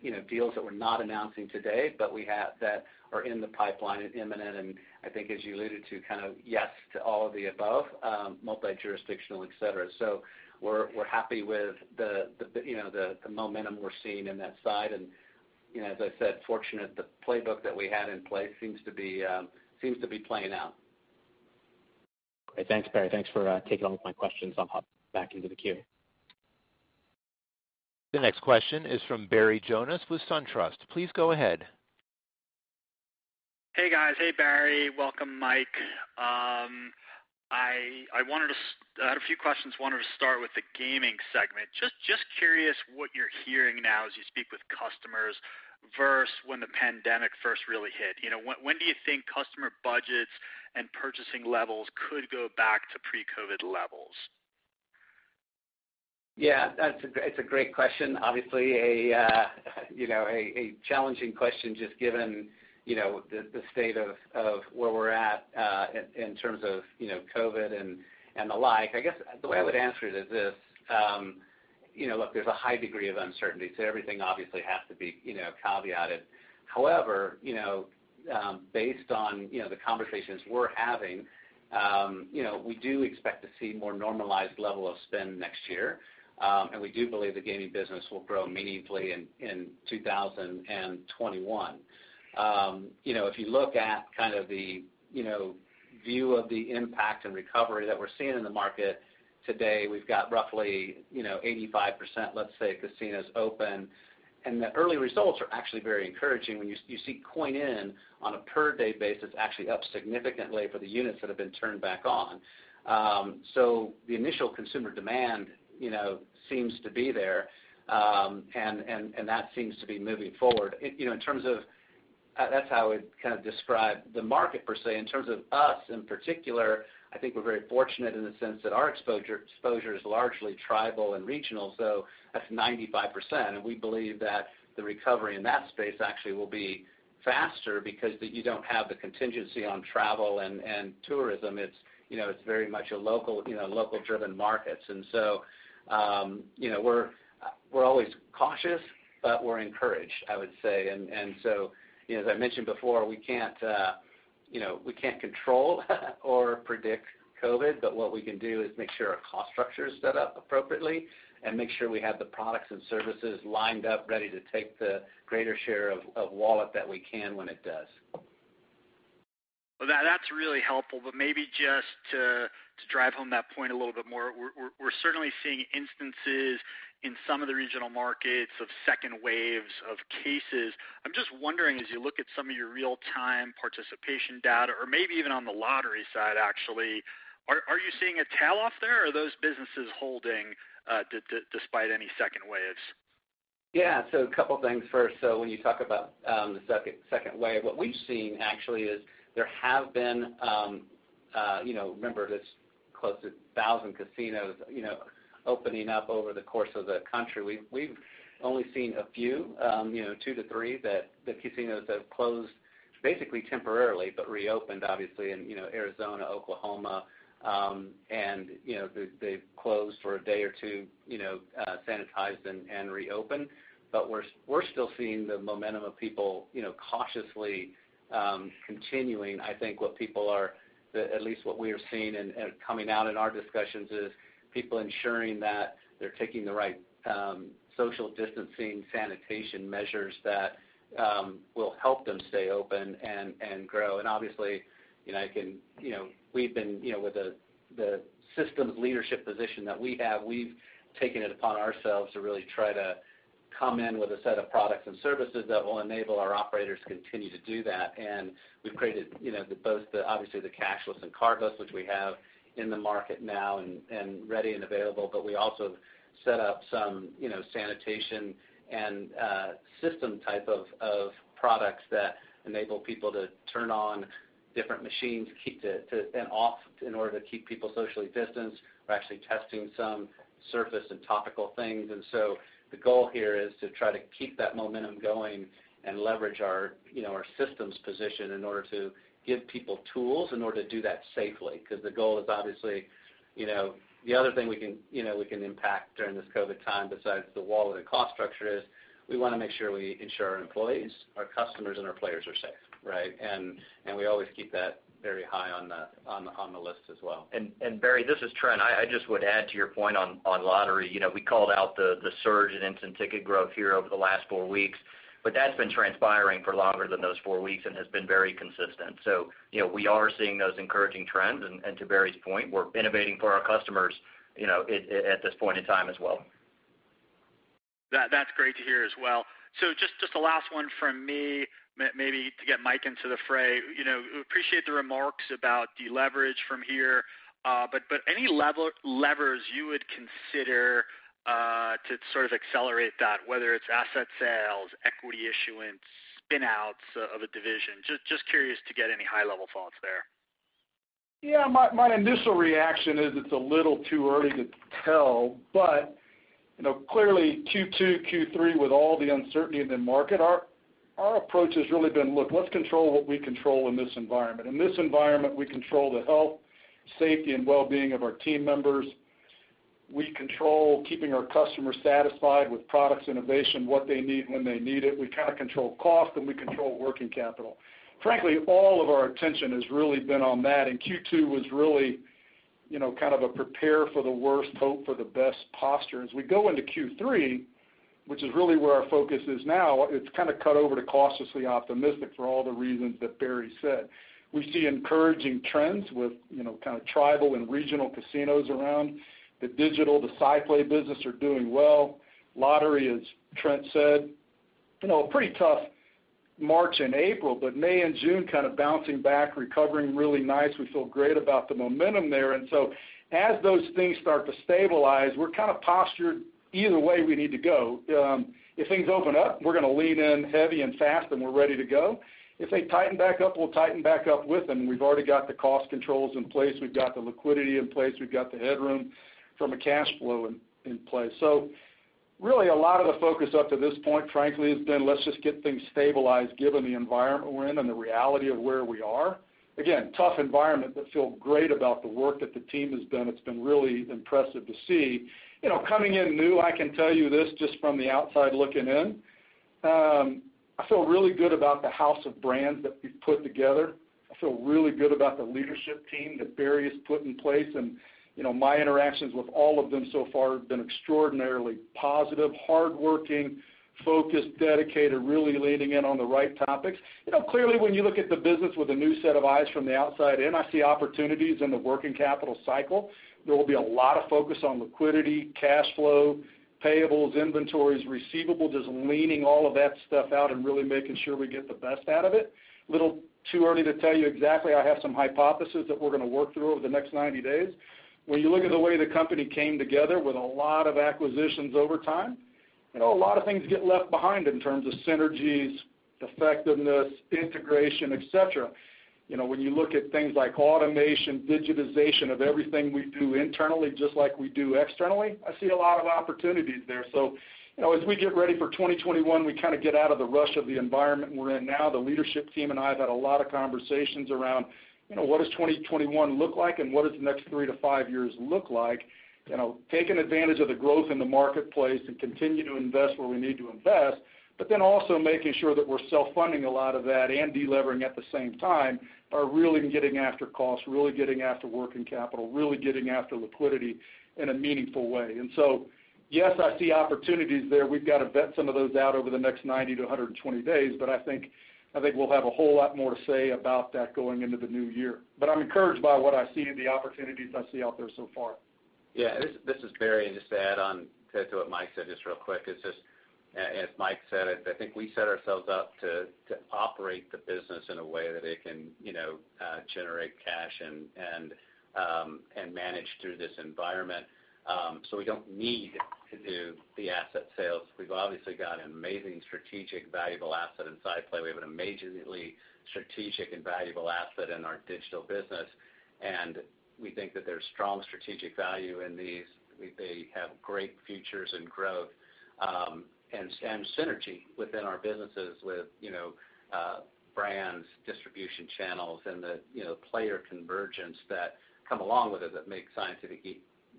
you know, deals that we're not announcing today, but that are in the pipeline and imminent, and I think as you alluded to, kind of yes to all of the above, multi-jurisdictional, et cetera. So we're happy with the, you know, the momentum we're seeing in that side, and, you know, as I said, fortunately the playbook that we had in place seems to be playing out. Great. Thanks, Barry. Thanks for taking all of my questions. I'll hop back into the queue. The next question is from Barry Jonas with SunTrust. Please go ahead. Hey, guys. Hey, Barry. Welcome, Mike. I had a few questions, wanted to start with the gaming segment. Just curious what you're hearing now as you speak with customers versus when the pandemic first really hit. You know, when do you think customer budgets and purchasing levels could go back to pre-COVID levels? Yeah, that's a great, it's a great question, obviously, a challenging question, just given, you know, the state of where we're at, in terms of, you know, COVID and the like. I guess the way I would answer it is this, you know, look, there's a high degree of uncertainty, so everything obviously has to be, you know, caveated. However, you know, based on, you know, the conversations we're having, you know, we do expect to see more normalized level of spend next year, and we do believe the gaming business will grow meaningfully in 2021. You know, if you look at kind of the view of the impact and recovery that we're seeing in the market today, we've got roughly 85%, let's say, casinos open, and the early results are actually very encouraging. When you see Coin-in on a per-day basis, actually up significantly for the units that have been turned back on. So the initial consumer demand you know seems to be there, and that seems to be moving forward. You know, in terms of... That's how I would kind of describe the market per se. In terms of us, in particular, I think we're very fortunate in the sense that our exposure is largely tribal and regional, so that's 95%, and we believe that the recovery in that space actually will be faster because you don't have the contingency on travel and tourism. It's, you know, it's very much a local, you know, local-driven markets. And so, you know, we're always cautious, but we're encouraged, I would say. And so, you know, as I mentioned before, we can't, you know, we can't control or predict COVID, but what we can do is make sure our cost structure is set up appropriately and make sure we have the products and services lined up, ready to take the greater share of wallet that we can when it does. That's really helpful, but maybe just to drive home that point a little bit more, we're certainly seeing instances in some of the regional markets of second waves of cases. I'm just wondering, as you look at some of your real-time participation data, or maybe even on the lottery side, actually, are you seeing a tail off there, or are those businesses holding despite any second waves? Yeah, so a couple things first. So when you talk about the second wave, what we've seen actually is there have been, you know, remember, there's close to 1,000 casinos, you know, opening up over the course of the country. We've only seen a few, you know, two to three, that the casinos have closed, basically temporarily, but reopened obviously in, you know, Arizona, Oklahoma, and, you know, they've closed for a day or two, you know, sanitized and reopened. But we're still seeing the momentum of people, you know, cautiously continuing. I think what people are... The, at least what we are seeing and coming out in our discussions is people ensuring that they're taking the right social distancing, sanitation measures that will help them stay open and grow. And obviously, you know, I can, you know, we've been, you know, with the systems leadership position that we have, we've taken it upon ourselves to really try to come in with a set of products and services that will enable our operators to continue to do that. And we've created, you know, both the, obviously, the cashless and cardless, which we have in the market now and ready and available. But we also set up some, you know, sanitation and system type of products that enable people to turn on different machines, keep to and off in order to keep people socially distanced. We're actually testing some surface and topical things. And so the goal here is to try to keep that momentum going and leverage our, you know, our systems position in order to give people tools in order to do that safely. Because the goal is obviously, you know, the other thing we can, you know, we can impact during this COVID time, besides the wall and the cost structure, is we wanna make sure we ensure our employees, our customers, and our players are safe, right? And we always keep that very high on the list as well. And Barry, this is Trent. I just would add to your point on lottery. You know, we called out the surge in instant ticket growth here over the last four weeks, but that's been transpiring for longer than those four weeks and has been very consistent. So, you know, we are seeing those encouraging trends, and to Barry's point, we're innovating for our customers, you know, at this point in time as well. That, that's great to hear as well. So just the last one from me, maybe to get Mike into the fray. You know, appreciate the remarks about the leverage from here, but any levers you would consider to sort of accelerate that, whether it's asset sales, equity issuance, spin outs of a division? Just curious to get any high level thoughts there. Yeah, my initial reaction is it's a little too early to tell. But, you know, clearly, Q2, Q3, with all the uncertainty in the market, our approach has really been, "Look, let's control what we control in this environment." In this environment, we control the health, safety, and wellbeing of our team members. We control keeping our customers satisfied with products, innovation, what they need, when they need it. We kind of control cost, and we control working capital. Frankly, all of our attention has really been on that, and Q2 was really, you know, kind of a prepare for the worst, hope for the best posture. As we go into Q3, which is really where our focus is now, it's kind of cut over to cautiously optimistic for all the reasons that Barry said. We see encouraging trends with, you know, kind of tribal and regional casinos around. The digital, the SciPlay business are doing well. Lottery, as Trent said, you know, a pretty tough March and April, but May and June, kind of bouncing back, recovering really nice. We feel great about the momentum there. And so as those things start to stabilize, we're kind of postured either way we need to go. If things open up, we're gonna lean in heavy and fast, and we're ready to go. If they tighten back up, we'll tighten back up with them, and we've already got the cost controls in place. We've got the liquidity in place. We've got the headroom from a cash flow in place. So really, a lot of the focus up to this point, frankly, has been, let's just get things stabilized given the environment we're in and the reality of where we are. Again, tough environment, but feel great about the work that the team has done. It's been really impressive to see. You know, coming in new, I can tell you this, just from the outside looking in, I feel really good about the house of brands that we've put together. I feel really good about the leadership team that Barry has put in place. And, you know, my interactions with all of them so far have been extraordinarily positive, hardworking, focused, dedicated, really leaning in on the right topics. You know, clearly, when you look at the business with a new set of eyes from the outside in, I see opportunities in the working capital cycle. There will be a lot of focus on liquidity, cash flow, payables, inventories, receivables, just leaning all of that stuff out and really making sure we get the best out of it. It's a little too early to tell you exactly. I have some hypotheses that we're gonna work through over the next 90 days. When you look at the way the company came together with a lot of acquisitions over time, you know, a lot of things get left behind in terms of synergies, effectiveness, integration, et cetera. You know, when you look at things like automation, digitization of everything we do internally, just like we do externally, I see a lot of opportunities there. So, you know, as we get ready for 2021, we kind of get out of the rush of the environment we're in now. The leadership team and I have had a lot of conversations around, you know, what does 2021 look like, and what does the next three to five years look like? You know, taking advantage of the growth in the marketplace and continue to invest where we need to invest, but then also making sure that we're self-funding a lot of that and delevering at the same time, are really getting after cost, really getting after working capital, really getting after liquidity in a meaningful way, and so yes, I see opportunities there. We've got to vet some of those out over the next 90-120 days, but I think, I think we'll have a whole lot more to say about that going into the new year, but I'm encouraged by what I see and the opportunities I see out there so far. Yeah, this is Barry. And just to add on to what Mike said, just real quick, it's just as Mike said it, I think we set ourselves up to operate the business in a way that it can, you know, generate cash and manage through this environment. So we don't need to do the asset sales. We've obviously got an amazing strategic, valuable asset in SciPlay. We have an amazingly strategic and valuable asset in our digital business, and we think that there's strong strategic value in these. They have great futures and growth, and synergy within our businesses with, you know, brands, distribution channels, and the, you know, player convergence that come along with it that make Scientific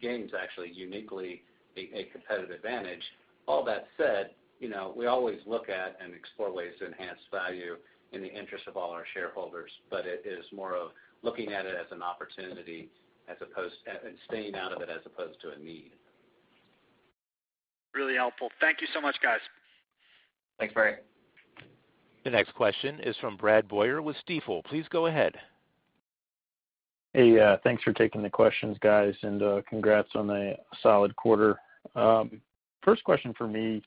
Games actually uniquely a competitive advantage. All that said, you know, we always look at and explore ways to enhance value in the interest of all our shareholders, but it is more of looking at it as an opportunity, as opposed, and staying out of it, as opposed to a need. Really helpful. Thank you so much, guys. Thanks, Barry. The next question is from Brad Boyer with Stifel. Please go ahead. ... Hey, thanks for taking the questions, guys, and congrats on a solid quarter. First question for me,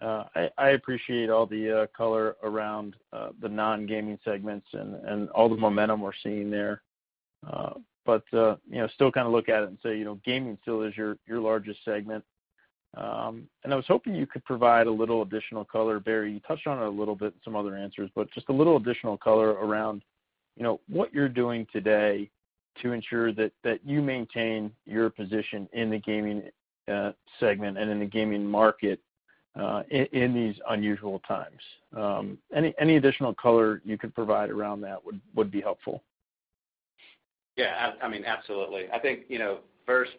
I appreciate all the color around the nongaming segments and all the momentum we're seeing there. But you know, still kind of look at it and say, you know, gaming still is your largest segment. And I was hoping you could provide a little additional color, Barry. You touched on it a little bit in some other answers, but just a little additional color around what you're doing today to ensure that you maintain your position in the gaming segment and in the gaming market in these unusual times. Any additional color you could provide around that would be helpful. Yeah, I mean, absolutely. I think, you know, first,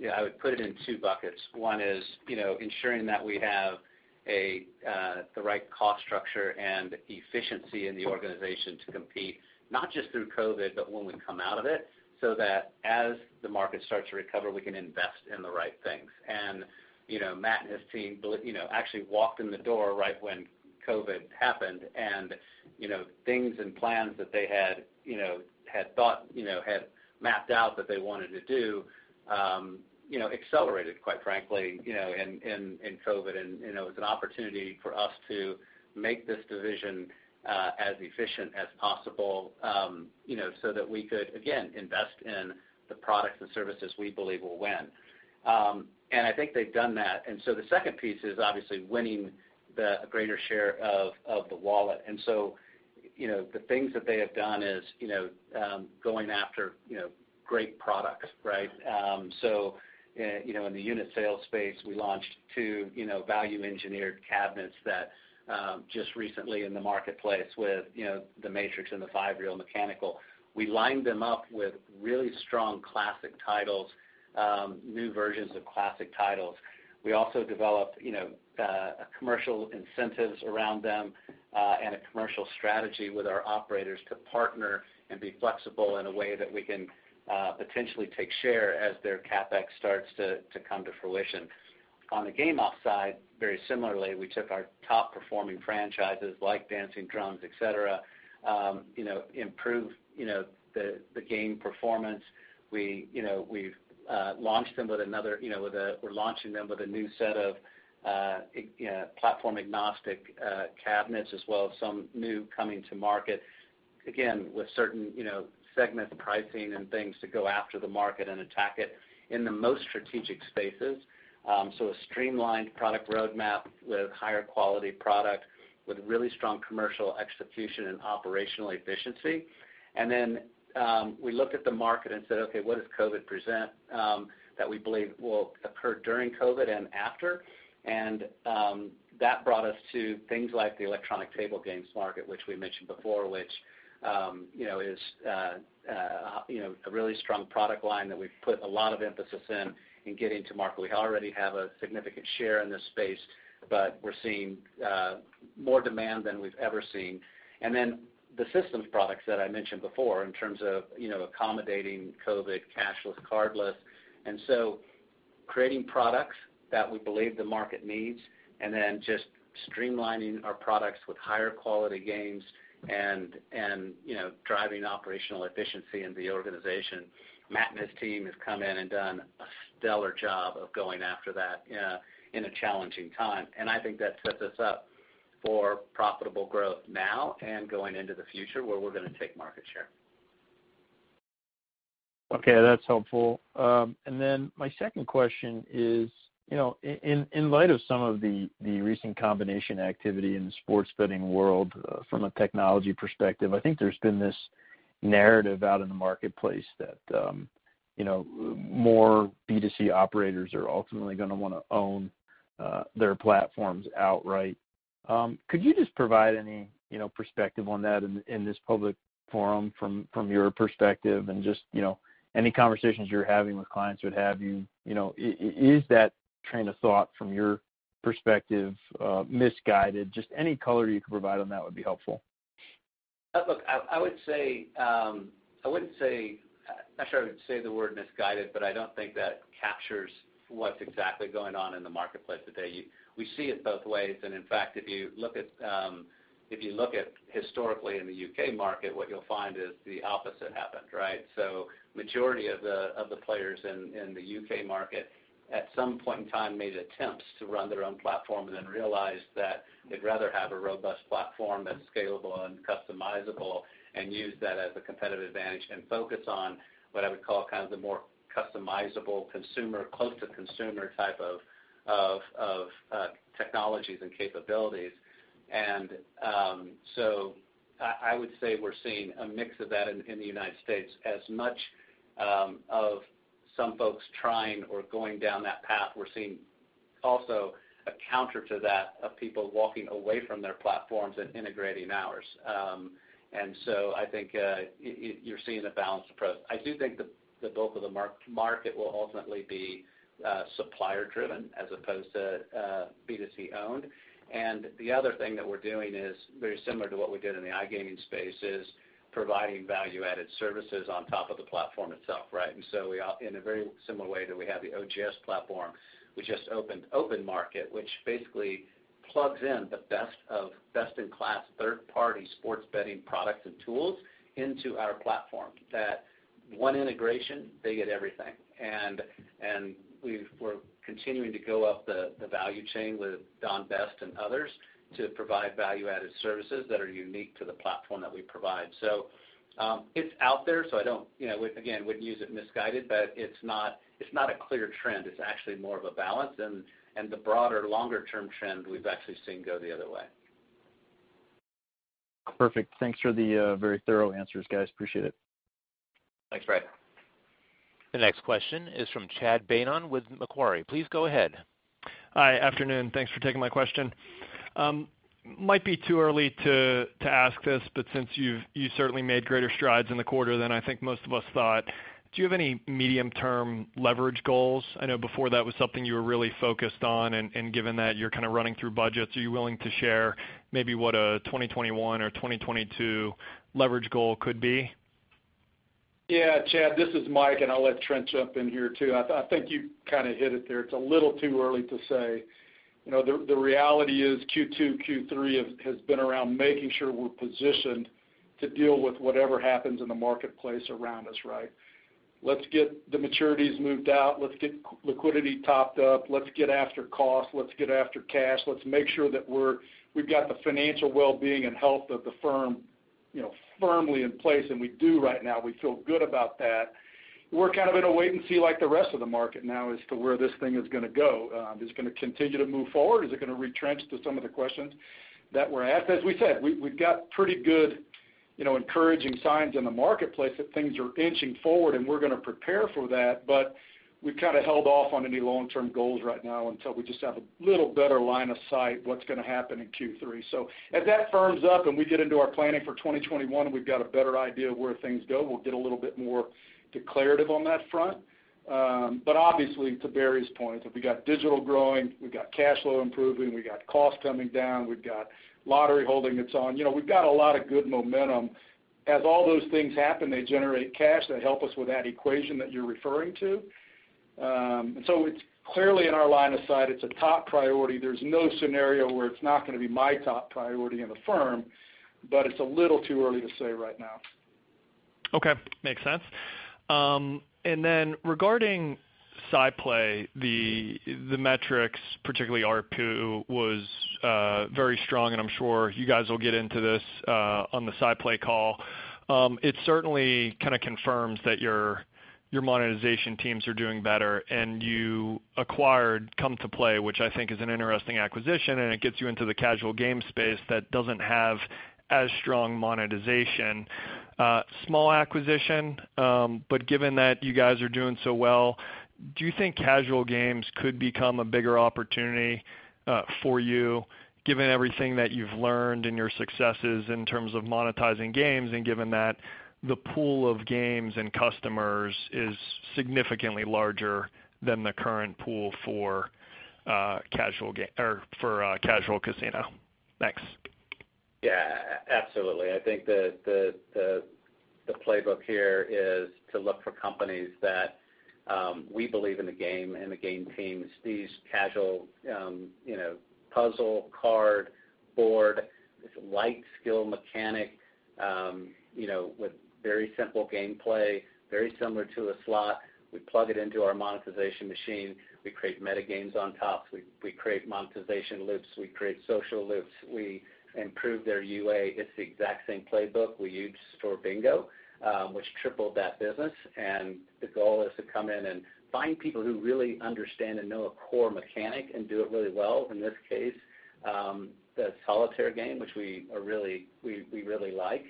yeah, I would put it in two buckets. One is, you know, ensuring that we have the right cost structure and efficiency in the organization to compete, not just through COVID, but when we come out of it, so that as the market starts to recover, we can invest in the right things. And, you know, Matt and his team, you know, actually walked in the door right when COVID happened, and, you know, things and plans that they had, you know, had thought, you know, had mapped out that they wanted to do, you know, accelerated, quite frankly, you know, in COVID. And, you know, it was an opportunity for us to make this division as efficient as possible, you know, so that we could, again, invest in the products and services we believe will win. And I think they've done that. And so the second piece is obviously winning the greater share of the wallet. And so, you know, the things that they have done is, you know, going after, you know, great products, right? So, you know, in the unit sales space, we launched two, you know, value-engineered cabinets that just recently in the marketplace with, you know, the Matrix and the five-reel mechanical. We lined them up with really strong classic titles, new versions of classic titles. We also developed, you know, commercial incentives around them, and a commercial strategy with our operators to partner and be flexible in a way that we can, potentially take share as their CapEx starts to come to fruition. On the game ops side, very similarly, we took our top-performing franchises, like Dancing Drums, et cetera, you know, improved, you know, the game performance. We, you know, we've launched them with another, you know, with a- we're launching them with a new set of, you know, platform-agnostic, cabinets, as well as some new coming to market, again, with certain, you know, segment pricing and things to go after the market and attack it in the most strategic spaces. So a streamlined product roadmap with higher quality product, with really strong commercial execution and operational efficiency. And then, we looked at the market and said, "Okay, what does COVID present, that we believe will occur during COVID and after?" And, that brought us to things like the electronic table games market, which we mentioned before, which, you know, is, you know, a really strong product line that we've put a lot of emphasis in, in getting to market. We already have a significant share in this space, but we're seeing, more demand than we've ever seen. And then the systems products that I mentioned before in terms of, you know, accommodating COVID, cashless, cardless. And so creating products that we believe the market needs, and then just streamlining our products with higher quality games and, and, you know, driving operational efficiency in the organization. Matt and his team have come in and done a stellar job of going after that, in a challenging time, and I think that sets us up for profitable growth now and going into the future, where we're gonna take market share. Okay, that's helpful. And then my second question is, you know, in light of some of the recent combination activity in the sports betting world, from a technology perspective, I think there's been this narrative out in the marketplace that, you know, more B2C operators are ultimately gonna wanna own their platforms outright. Could you just provide any, you know, perspective on that in this public forum from your perspective and just, you know, any conversations you're having with clients would have you know, is that train of thought from your perspective, misguided? Just any color you can provide on that would be helpful. Look, I wouldn't say, not sure I would say the word misguided, but I don't think that captures what's exactly going on in the marketplace today. We see it both ways, and in fact, if you look at historically in the UK market, what you'll find is the opposite happened, right? So majority of the players in the UK market, at some point in time, made attempts to run their own platform and then realized that they'd rather have a robust platform that's scalable and customizable, and use that as a competitive advantage, and focus on what I would call kind of the more customizable consumer, close-to-consumer type of technologies and capabilities. And so I would say we're seeing a mix of that in the United States. As much of some folks trying or going down that path, we're seeing also a counter to that, of people walking away from their platforms and integrating ours. And so I think, you're seeing a balanced approach. I do think the bulk of the market will ultimately be supplier driven, as opposed to B2C-owned. And the other thing that we're doing is very similar to what we did in the iGaming space, is providing value-added services on top of the platform itself, right? And so in a very similar way that we have the OGS platform, we just opened OpenMarket, which basically plugs in the best of best-in-class third-party sports betting products and tools into our platform, that one integration, they get everything. We're continuing to go up the value chain with Don Best and others to provide value-added services that are unique to the platform that we provide. So, it's out there, so I don't, you know, again, wouldn't use it misguided, but it's not a clear trend. It's actually more of a balance, and the broader, longer-term trend, we've actually seen go the other way. Perfect. Thanks for the very thorough answers, guys. Appreciate it. Thanks, Brad. The next question is from Chad Beynon with Macquarie. Please go ahead. Hi, afternoon. Thanks for taking my question. Might be too early to ask this, but since you've certainly made greater strides in the quarter than I think most of us thought, do you have any medium-term leverage goals? I know before that was something you were really focused on, and given that you're kind of running through budgets, are you willing to share maybe what a 2021 or 2022 leverage goal could be? Yeah, Chad, this is Mike, and I'll let Trent jump in here, too. I think you kind of hit it there. It's a little too early to say. You know, the reality is Q2, Q3 has been around making sure we're positioned to deal with whatever happens in the marketplace around us, right? Let's get the maturities moved out. Let's get liquidity topped up. Let's get after cost. Let's get after cash. Let's make sure that we've got the financial well-being and health of the firm, you know, firmly in place, and we do right now. We feel good about that. We're kind of in a wait and see like the rest of the market now as to where this thing is gonna go. Is it gonna continue to move forward? Is it gonna retrench to some of the questions that we're at? As we said, we've got pretty good, you know, encouraging signs in the marketplace that things are inching forward, and we're gonna prepare for that. But we've kind of held off on any long-term goals right now until we just have a little better line of sight what's gonna happen in Q3. So as that firms up and we get into our planning for 2021, and we've got a better idea of where things go, we'll get a little bit more declarative on that front. But obviously, to Barry's point, if we got digital growing, we've got cash flow improving, we've got costs coming down, we've got lottery holding its own, you know, we've got a lot of good momentum. As all those things happen, they generate cash that help us with that equation that you're referring to. And so it's clearly in our line of sight. It's a top priority. There's no scenario where it's not gonna be my top priority in the firm, but it's a little too early to say right now. Okay, makes sense, and then regarding SciPlay, the metrics, particularly ARPU, was very strong, and I'm sure you guys will get into this on the SciPlay call. It certainly kind of confirms that your monetization teams are doing better, and you acquired Come2Play, which I think is an interesting acquisition, and it gets you into the casual game space that doesn't have as strong monetization. Small acquisition, but given that you guys are doing so well, do you think casual games could become a bigger opportunity for you, given everything that you've learned and your successes in terms of monetizing games, and given that the pool of games and customers is significantly larger than the current pool for casual casino? Thanks. Yeah, absolutely. I think the playbook here is to look for companies that we believe in the game and the game teams. These casual, you know, puzzle, card, board, this light skill mechanic, you know, with very simple gameplay, very similar to a slot. We plug it into our monetization machine. We create metagames on top. We create monetization loops. We create social loops. We improve their UA. It's the exact same playbook we used for Bingo, which tripled that business. And the goal is to come in and find people who really understand and know a core mechanic and do it really well. In this case, the solitaire game, which we really like.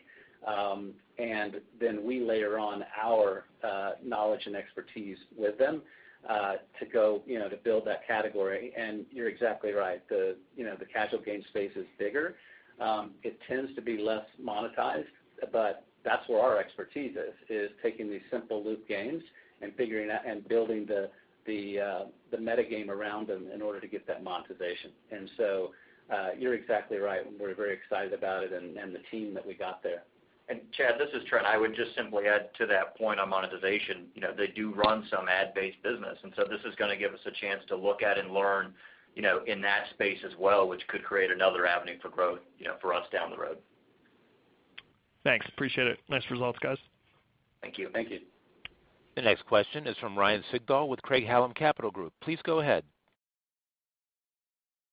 And then we layer on our knowledge and expertise with them to go, you know, to build that category. And you're exactly right, the, you know, the casual game space is bigger. It tends to be less monetized, but that's where our expertise is, taking these simple loop games and figuring out and building the metagame around them in order to get that monetization. And so, you're exactly right, and we're very excited about it and the team that we got there. And Chad, this is Trent. I would just simply add to that point on monetization, you know. They do run some ad-based business, and so this is gonna give us a chance to look at and learn, you know, in that space as well, which could create another avenue for growth, you know, for us down the road. Thanks, appreciate it. Nice results, guys. Thank you. Thank you. The next question is from Ryan Sigdahl with Craig-Hallum Capital Group. Please go ahead.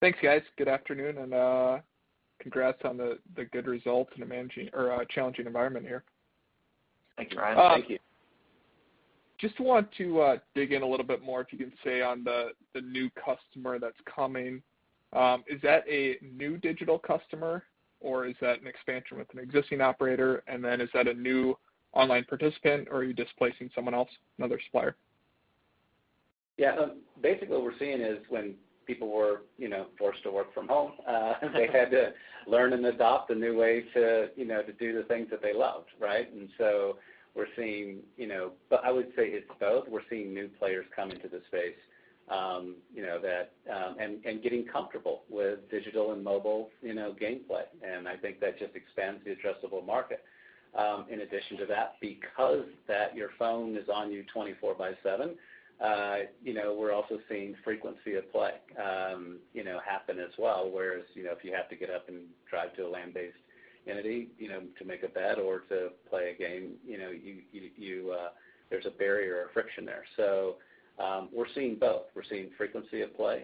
Thanks, guys. Good afternoon, and congrats on the good results in a challenging environment here. Thank you, Ryan. Thank you. Just want to dig in a little bit more, if you can say, on the new customer that's coming. Is that a new digital customer, or is that an expansion with an existing operator? And then is that a new online participant, or are you displacing someone else, another supplier? Yeah, so basically what we're seeing is when people were, you know, forced to work from home, they had to learn and adopt the new way to, you know, to do the things that they loved, right? So we're seeing, you know... I would say it's both. We're seeing new players come into the space, you know, that and getting comfortable with digital and mobile, you know, gameplay, and I think that just expands the addressable market. In addition to that, because your phone is on you 24/7, you know, we're also seeing frequency of play, you know, happen as well. Whereas, you know, if you have to get up and drive to a land-based-... entity, you know, to make a bet or to play a game, you know, there's a barrier or friction there. So, we're seeing both. We're seeing frequency of play,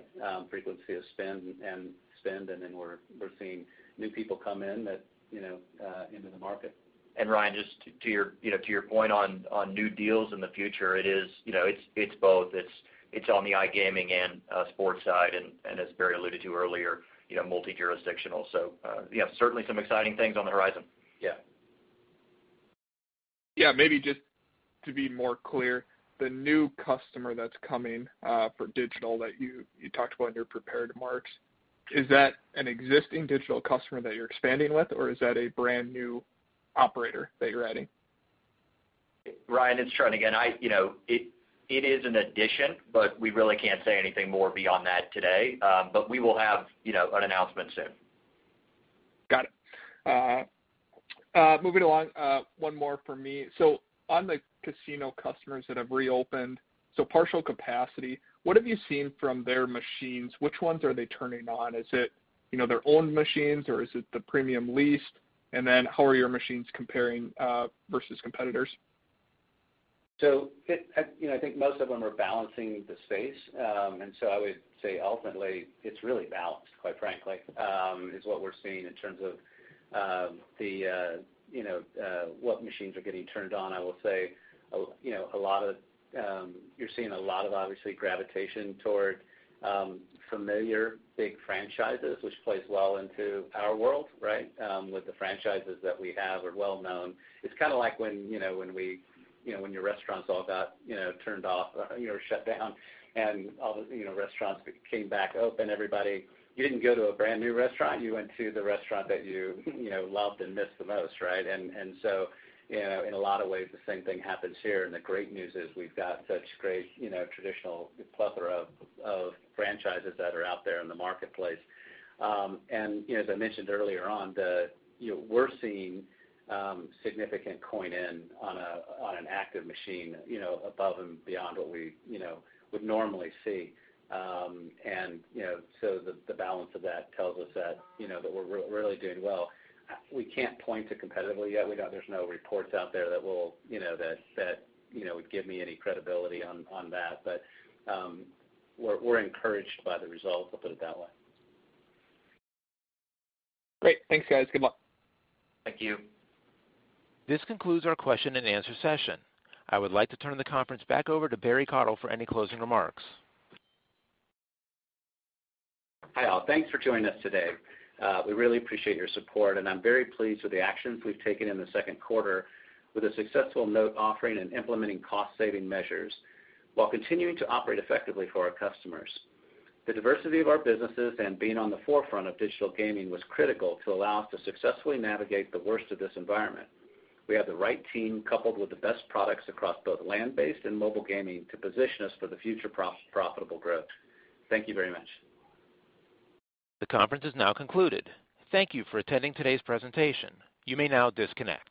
frequency of spend, and then we're seeing new people come in that, you know, into the market. Ryan, just to your point on new deals in the future, you know, it's both. It's on the iGaming and sports side, and as Barry alluded to earlier, you know, multi-jurisdictional. So, yeah, certainly some exciting things on the horizon. Yeah. Yeah, maybe just to be more clear, the new customer that's coming for digital that you talked about in your prepared remarks, is that an existing digital customer that you're expanding with, or is that a brand new operator that you're adding? Ryan, it's Trent again. You know, it is an addition, but we really can't say anything more beyond that today, but we will have, you know, an announcement soon. Got it. Moving along, one more for me. So on the casino customers that have reopened, so partial capacity, what have you seen from their machines? Which ones are they turning on? Is it, you know, their own machines, or is it the premium leased? And then how are your machines comparing versus competitors? So it, you know, I think most of them are balancing the space. And so I would say ultimately, it's really balanced, quite frankly, is what we're seeing in terms of the, you know, what machines are getting turned on. I will say, you know, a lot of, you're seeing a lot of, obviously, gravitation toward familiar big franchises, which plays well into our world, right? With the franchises that we have are well known. It's kind of like when, you know, when we, you know, when your restaurants all got, you know, turned off, or, you know, shut down and all the, you know, restaurants came back open, everybody... You didn't go to a brand-new restaurant, you went to the restaurant that you, you know, loved and missed the most, right? And so, you know, in a lot of ways, the same thing happens here. And the great news is we've got such great, you know, traditional plethora of franchises that are out there in the marketplace. And, you know, as I mentioned earlier on, you know, we're seeing significant coin-in on an active machine, you know, above and beyond what we, you know, would normally see. And, you know, so the balance of that tells us that, you know, that we're really doing well. We can't point to competitively yet. There's no reports out there that will, you know, that, you know, would give me any credibility on that. But we're encouraged by the results, I'll put it that way. Great. Thanks, guys. Good luck. Thank you. This concludes our question and answer session. I would like to turn the conference back over to Barry Cottle for any closing remarks. Hi, all. Thanks for joining us today. We really appreciate your support, and I'm very pleased with the actions we've taken in the second quarter with a successful note offering and implementing cost-saving measures, while continuing to operate effectively for our customers. The diversity of our businesses and being on the forefront of digital gaming was critical to allow us to successfully navigate the worst of this environment. We have the right team, coupled with the best products across both land-based and mobile gaming, to position us for the future profitable growth. Thank you very much. The conference is now concluded. Thank you for attending today's presentation. You may now disconnect.